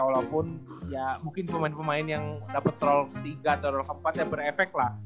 walaupun ya mungkin pemain pemain yang dapat roll tiga atau roll empat ya berefek lah